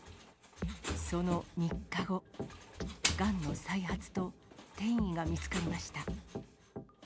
その３日後、がんの再発と転移が見つかりました。